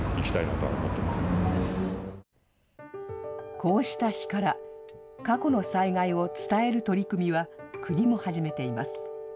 こうした碑から、過去の災害を伝える取り組みは国も始めています。